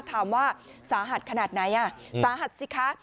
ถามว่าสาหัสขนาดไหนสาหัสสิคะ